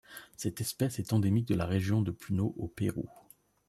Cette espèce est endémique de la région de Puno au Pérou.